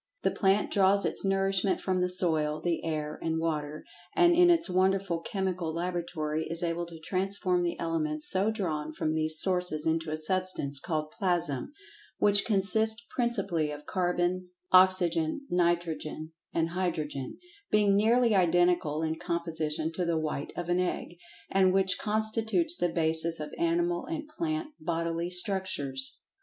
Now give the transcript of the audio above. The plant draws its nourishment from the soil, the air, and water, and in its wonderful chemical laboratory is able to transform the elements so drawn from these sources into a substance called "Plasm," which consists principally of carbon, oxygen, nitrogen and hydrogen, being nearly identical in composition to the white of an egg, and which constitutes the basis of animal and plant bodily structures.